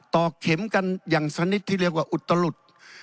อกเข็มกันอย่างชนิดที่เรียกว่าอุตลุด